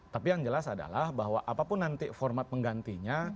tapi yang jelas adalah bahwa apapun nanti format penggantinya